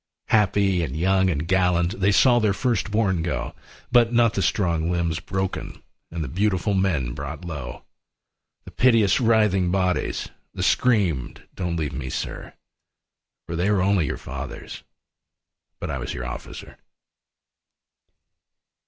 Happy and young and gallant, They saw their first bom go, 41 But not the strong limbs broken And the beautiful men brought low, The piteous writhing bodies, The screamed, " Don't leave me, Sir," For they were only your fathers But I was your officer.